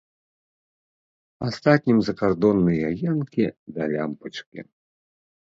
Астатнім закардонныя енкі да лямпачкі.